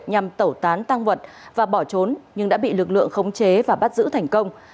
nhằm tẩu tán tăng vật và bỏ trốn nhưng đã bị lực lượng khống chế và bắt giữ thành công